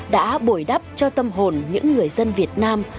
đã bồi đắp cho tâm hồn những người dân việt nam